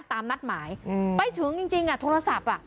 ตามนัดหมายไปถึงจริงโทรศัพท์อ่ะ